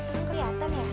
lu keliatan ya